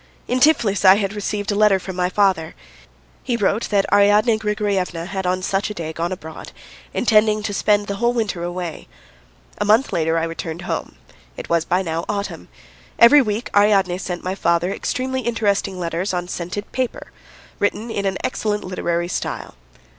In Tiflis I received a letter from my father. He wrote that Ariadne Grigoryevna had on such a day gone abroad, intending to spend the whole winter away. A month later I returned home. It was by now autumn. Every week Ariadne sent my father extremely interesting letters on scented paper, written in an excellent literary style.